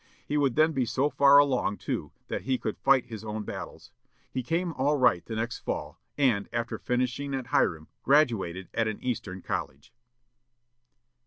He would then be so far along, too, that he could fight his own battles. He came all right the next fall, and, after finishing at Hiram, graduated at an eastern college."